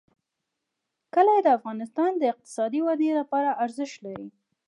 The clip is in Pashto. کلي د افغانستان د اقتصادي ودې لپاره ارزښت لري.